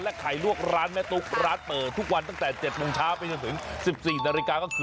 และไข่ลวกร้านแม่ตุ๊ก